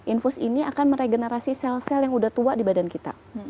infus ini akan meregenerasi sel sel yang udah tua di badan kita